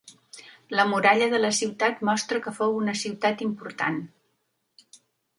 La muralla de la ciutat mostra que fou una ciutat important.